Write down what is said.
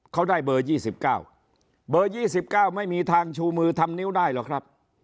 เขาได้เบอร์๒๙เบอร์๒๙ไม่มีทางชูมือทำนิ้วได้หรอกครับ